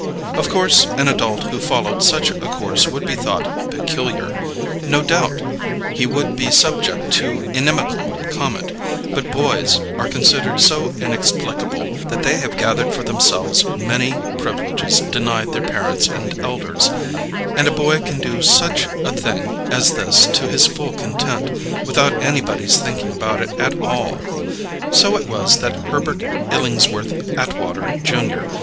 Of course an adult who followed such a course would be thought peculiar, no doubt he would be subject to inimical comment; but boys are considered so inexplicable that they have gathered for themselves many privileges denied their parents and elders, and a boy can do such a thing as this to his full content, without anybody's thinking about it at all. So it was that Herbert Illingsworth Atwater, Jr.